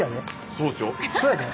そうですね。